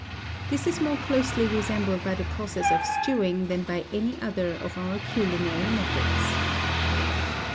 This is more closely resembled by the process of stewing than by any other of our culinary methods.